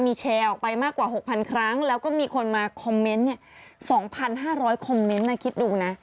มีแชร์ออกไปมากกว่า๖๐๐๐ครั้งแล้วก็มีคนมาคอมเมนต์๒๕๐๐คอมเมนต์นะคิดดูนะ